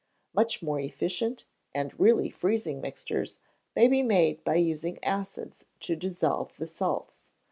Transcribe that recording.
Much more efficient and really freezing mixtures may be made by using acids to dissolve the salts.